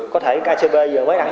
có thể icb mới ăn không